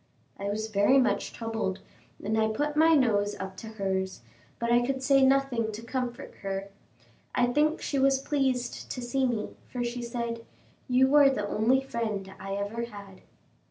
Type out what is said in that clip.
I was very much troubled, and I put my nose up to hers, but I could say nothing to comfort her. I think she was pleased to see me, for she said, "You are the only friend I ever had."